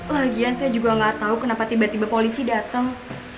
lagian saya juga nggak tahu kenapa tiba tiba polisi datang